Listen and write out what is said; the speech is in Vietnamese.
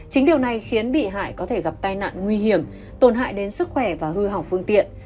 chính điều này khiến bị hại có thể gặp tai nạn nguy hiểm tổn hại đến sức khỏe và hư hỏng phương tiện